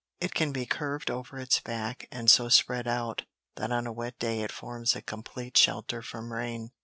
It can be curved over its back and so spread out that on a wet day it forms a complete shelter from rain.